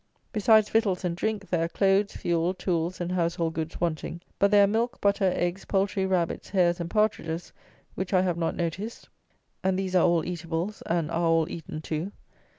Besides victuals and drink, there are clothes, fuel, tools, and household goods wanting; but there are milk, butter, eggs, poultry, rabbits, hares, and partridges, which I have not noticed, and these are all eatables, and are all eaten too.